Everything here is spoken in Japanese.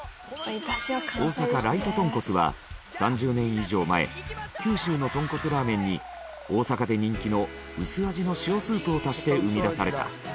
大阪ライト豚骨は３０年以上前九州の豚骨ラーメンに大阪で人気の薄味の塩スープを足して生み出された。